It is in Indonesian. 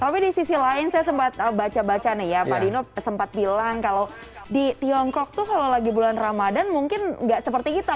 tapi di sisi lain saya sempat baca baca nih ya pak dino sempat bilang kalau di tiongkok tuh kalau lagi bulan ramadan mungkin nggak seperti kita